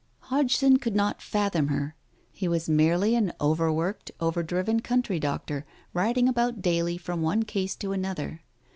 Hodgson could not fathom her. He was merely an overworked, overdriven country doctor, riding about daily from one case to another.